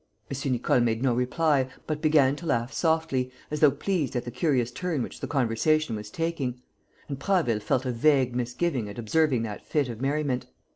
M. Nicole made no reply, but began to laugh softly, as though pleased at the curious turn which the conversation was taking; and Prasville felt a vague misgiving at observing that fit of merriment.